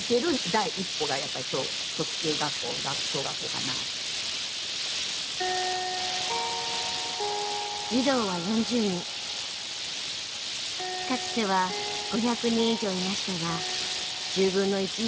かつては５００人以上いましたが１０分の１以下に減りました。